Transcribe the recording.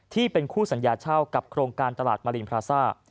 ที่เป็นคู่สัญญาเช่ากับโครงการตลาดมารินพราซ่า